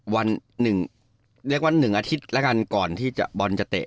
วันหนึ่งเรียกว่า๑อาทิตย์แล้วกันก่อนที่บอลจะเตะ